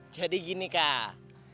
jadi gini kak